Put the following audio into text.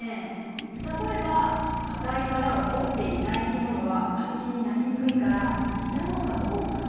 例えば硬い殻を持っていない生き物は化石になりにくいからいたのかどうかさえ分からない。